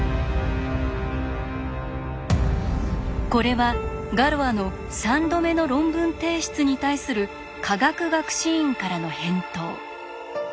これはガロアの３度目の論文提出に対する科学学士院からの返答。